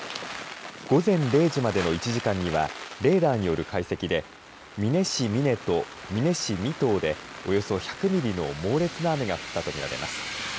午前０時までの１時間にはレーダーによる解析で美祢市美祢と美祢市美東でおよそ１００ミリの猛烈な雨が降ったと見られます。